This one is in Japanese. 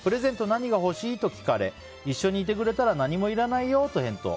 何が欲しい？と聞かれ一緒にいてくれたら何もいらないよと返答。